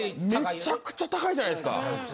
めちゃくちゃ高いじゃないですか。